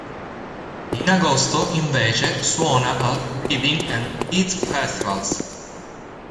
In agosto invece suona al Reading and Leeds Festivals.